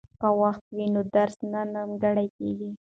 که وخت وي نو درس نه نیمګړی کیږي.